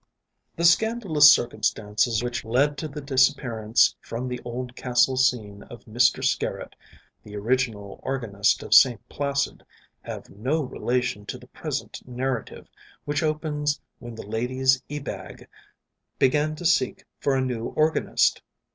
The scandalous circumstances which led to the disappearance from the Oldcastle scene of Mr Skerritt, the original organist of St Placid, have no relation to the present narrative, which opens when the ladies Ebag began to seek for a new organist.